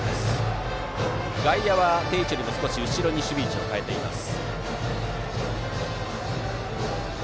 外野は定位置より少し後ろに守備位置を変えています。